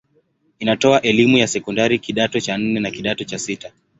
Inatoa elimu ya sekondari kidato cha nne na kidato cha sita.